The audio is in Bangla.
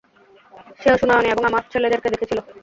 সেও সুনয়নী এবং আমার ছেলেদেরকে দেখেছিল।